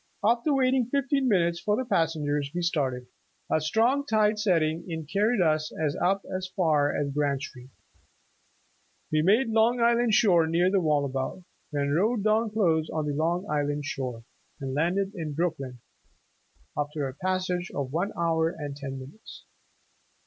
After waiting fifteen minutes for the passengers, we started. A strong tide setting in carried us up as far as Grand Street. We made Long Island shore near the Wallabout, then rowed down close on the Long Island shore, and landed in Brooklyn, after a passage of one hour and ten minutes.